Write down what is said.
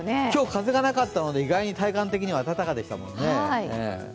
今日、風がなかったので意外に体感的には暖かでしたもんね。